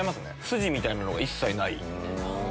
筋みたいなのが一切ない。